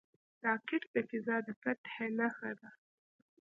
راکټ د فضا د فتح نښه ده